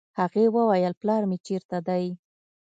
هغې وويل پلار مې چېرته دی.